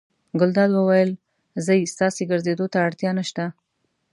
ګلداد وویل: ځئ ستاسې ګرځېدو ته اړتیا نه شته.